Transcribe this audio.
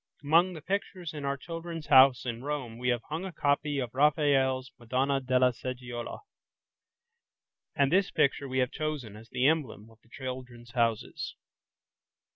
Among the pictures in our "Children's House" in Rome we have hung a copy of Raphael's "Madonna della Seggiola", and this picture we have chosen as the emblem of the "Children's Houses".